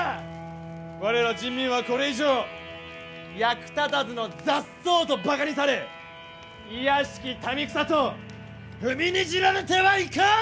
我ら人民はこれ以上役立たずの雑草とバカにされ卑しき民草と踏みにじられてはいかん！